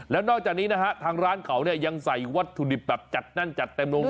แล้วนอกจากนี้นะฮะทางร้านเขาเนี่ยยังใส่วัตถุดิบแบบจัดแน่นจัดเต็มลงด้วย